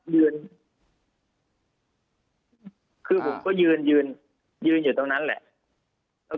อยู่ตรงนั้นแหละ